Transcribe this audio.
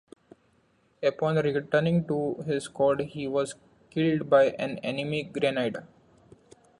Upon returning to his squad, he was killed by an enemy grenade.